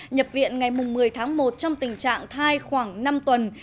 nhập viện ngày một mươi tháng một trong tình trạng thai khoảng năm tuần